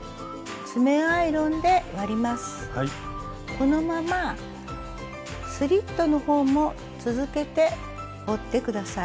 このままスリットの方も続けて折って下さい。